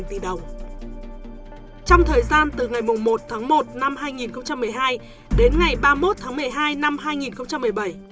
trong thời gian từ ngày một tháng một năm hai nghìn một mươi hai đến ngày ba mươi một tháng một mươi hai năm hai nghìn một mươi bảy